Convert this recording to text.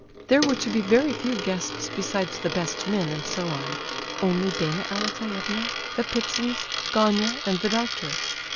There were to be very few guests besides the best men and so on; only Dana Alexeyevna, the Ptitsins, Gania, and the doctor.